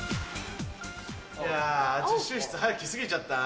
いや実習室早く来過ぎちゃったな。